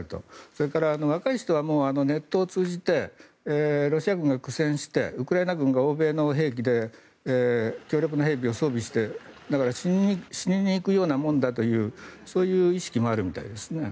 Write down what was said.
それから若い人はネットを通じてロシア軍が苦戦してウクライナ軍が欧米の兵器で強力な兵器を装備してだから死にに行くようなものだというそういう意識もあるみたいですね。